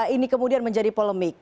ini kemudian menjadi polemik